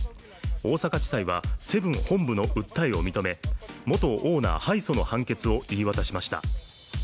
大阪地裁はセブン本の訴えを認め、元オーナー敗訴の判決を言い渡しました。